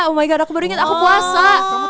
oh my god aku baru inget aku puasa